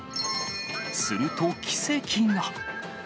すると奇跡が。